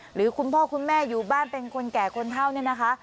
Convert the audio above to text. หรือคุณพ่อคุณแม่อยู่บ้านเป็นคนแก่คนเท่าเนี่ยนะคะ